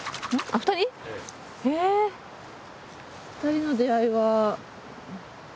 二人の出会いは。